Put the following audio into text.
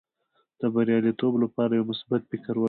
د بریالیتوب لپاره یو مثبت فکر ولره.